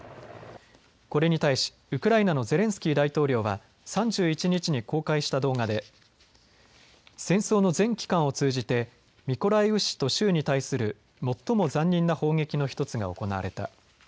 これに対しウクライナのゼレンスキー大統領は３１日に公開した動画で戦争の全期間を通じてミコライウ市と州に対する最も残忍な砲撃の１つが行われた。